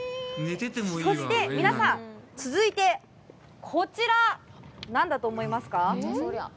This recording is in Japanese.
そして、皆さん、続いて、こちら、何だと思いますか。